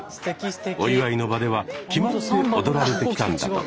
お祝いの場では決まって踊られてきたんだとか。